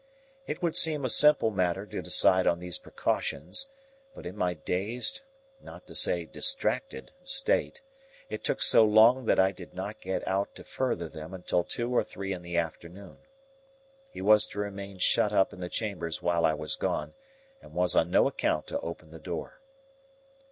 It would seem a simple matter to decide on these precautions; but in my dazed, not to say distracted, state, it took so long, that I did not get out to further them until two or three in the afternoon. He was to remain shut up in the chambers while I was gone, and was on no account to open the door.